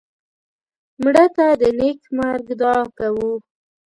مړه ته د نیک مرګ دعا کوو